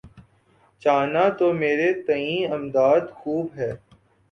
چاہنا تو مرے تئیں امداد خوب ہے۔